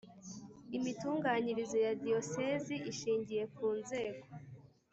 Imitunganyirize ya diyosezi ishingiye ku nzego